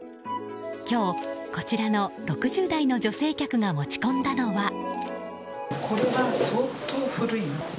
今日、こちらの６０代の女性客が持ち込んだのは。